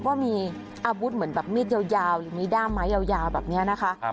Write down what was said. ว่ามีอาวุธเหมือนแบบมีดยาวหรือมีด้ามไม้ยาวแบบนี้นะคะ